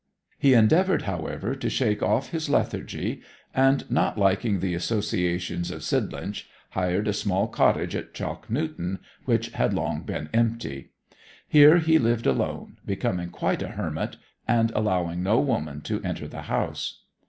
He endeavoured, however, to shake off his lethargy, and, not liking the associations of Sidlinch, hired a small cottage at Chalk Newton which had long been empty. Here he lived alone, becoming quite a hermit, and allowing no woman to enter the house.